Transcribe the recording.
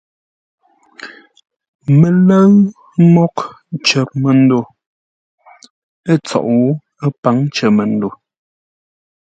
Mələ́ʉ mǒghʼ cər məndo ə́ tsoʼo pǎŋ cər məndo.